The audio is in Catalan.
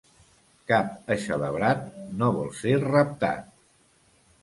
Cap eixelebrat no vol ser reptat.